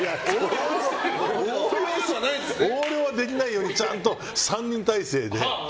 横領はできないようにちゃんと３人体制で。